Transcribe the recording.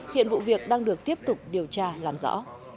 hiện vụ việc đang được tiếp tục điều tra làm rõ